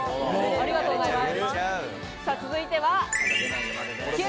ありがとうございます。